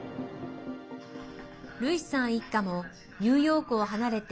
ルイスさん一家もニューヨークを離れて